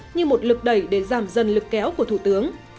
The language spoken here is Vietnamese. như một lực đẩy để giảm dần lực kéo của thủ tướng